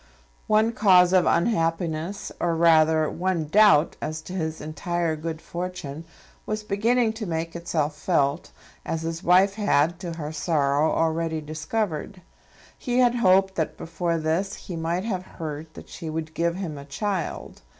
One cause of unhappiness, or rather one doubt as to his entire good fortune, was beginning to make itself felt, as his wife had to her sorrow already discovered. He had hoped that before this he might have heard that she would give him a child.